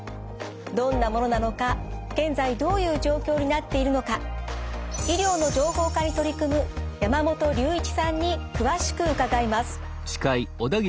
どんなものなのか現在どういう状況になっているのか医療の情報化に取り組む山本隆一さんに詳しく伺います。